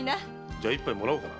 じゃ一杯もらおうか。